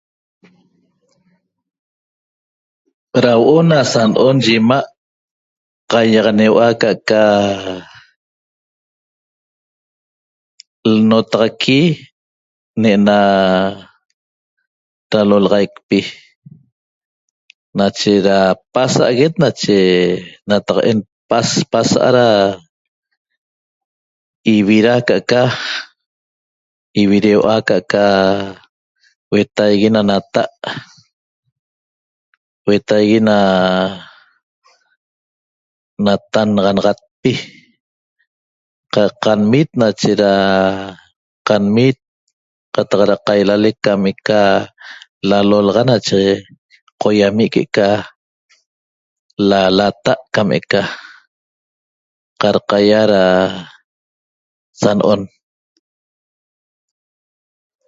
Ra huo'o ca'aca sano'on ye ima' qaiaxaneuga ca'aca lnotaxaqui ne'ena dalolaxaicpi nache ra pasa'aguet nache nataqaen pasa' ivira ca'aca ivireua' ca'aca huetaigui na nata' huetaigui na natannanaxanaxatpi ca qanmit qataq ra qailalec cam eca lalolaxa nache qoiami' que'eca lata' cam ecaeso qarqaia ra sano'on